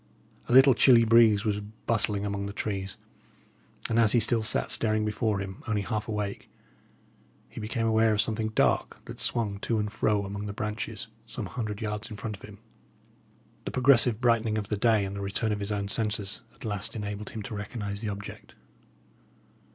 A little chilly breeze was bustling among the trees, and as he still sat staring before him, only half awake, he became aware of something dark that swung to and fro among the branches, some hundred yards in front of him. The progressive brightening of the day and the return of his own senses at last enabled him to recognise the object.